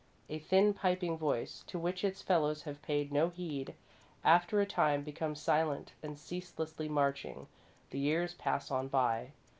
A thin, piping voice, to which its fellows have paid no heed, after a time becomes silent, and, ceaselessly marching, the years pass on by.